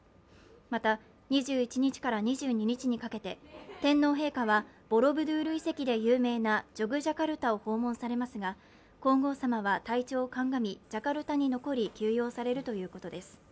また２１日から２２日にかけて天皇陛下はボロブドゥール遺跡で有名なジョグジャカルタを訪問されますが皇后さまは体調を鑑み、ジャカルタに残り、休養されるということです。